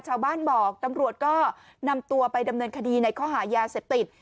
ชาวบ้านบอกตำรวจก็นำตัวไปดำเนินคดีในข้อหายาเสพติด